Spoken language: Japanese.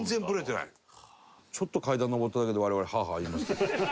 ちょっと階段上っただけで我々「ハアハア」言いますけど。